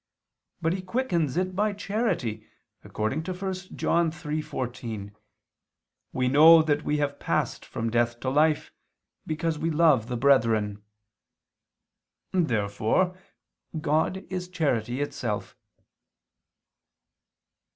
But He quickens it by charity, according to 1 John 3:14: "We know that we have passed from death to life, because we love the brethren." Therefore God is charity itself.